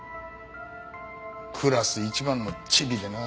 クラス一番のチビでな。